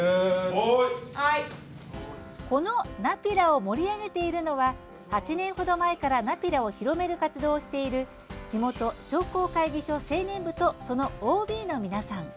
このナピラを盛り上げているのは８年程前からナピラを広める活動をしている地元商工会議所青年部とそのＯＢの皆さん。